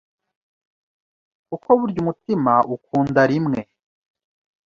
kuko burya umutima ukunda rimwe